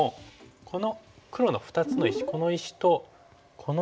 この黒の２つの石この石とこの石。